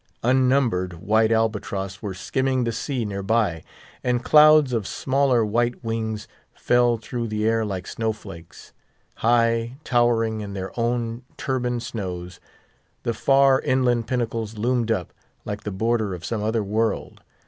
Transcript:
Unnumbered white albatross were skimming the sea near by, and clouds of smaller white wings fell through the air like snow flakes. High, towering in their own turbaned snows, the far inland pinnacles loomed up, like the border of some other world.